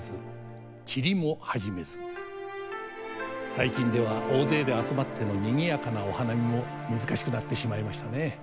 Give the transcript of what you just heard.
最近では大勢で集まってのにぎやかなお花見も難しくなってしまいましたね。